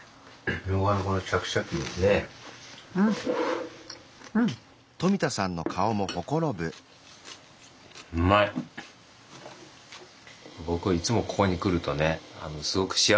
僕はいつもここに来るとねすごく幸せな気分で帰れます。